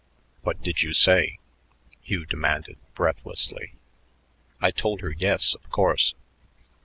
"What did you say?" Hugh demanded breathlessly. "I told her yes, of course.